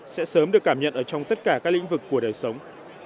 sẽ sớm được cảm nhận ở trong tất cả các lĩnh vực của đời sống